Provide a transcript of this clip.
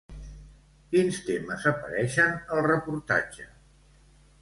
Quins temes apareixen al reportatge?